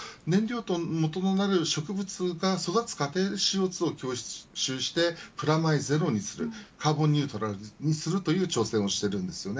燃料のもととなる植物が育つ過程でＣＯ２を吸収してプラマイゼロにするカーボンニュートラルにするという挑戦をしています。